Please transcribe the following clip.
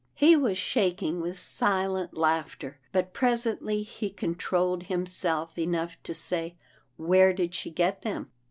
He was shaking with silent laughter, but pres ently he controlled himself enough to say, " Where did she get them